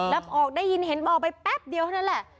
แล้วออกได้ยินเห็นออกไปแป๊บเดียวนะแหละ